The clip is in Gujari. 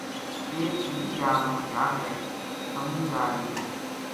ایک دوجی جا ما جا جے تَمو لا لیو